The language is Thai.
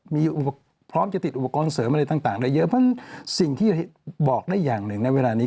มีอุปกรณ์พร้อมจะติดอุปกรณ์เสริมอะไรต่างได้เยอะเพราะฉะนั้นสิ่งที่บอกได้อย่างหนึ่งในเวลานี้